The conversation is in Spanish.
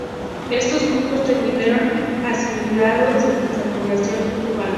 Estos grupos terminaron asimilados en la población cubana.